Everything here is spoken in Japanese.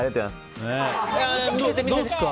どうですか？